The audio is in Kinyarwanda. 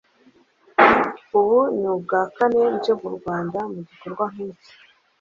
ubu ni ubwa kane nje mu Rwanda mu gikorwa nk’iki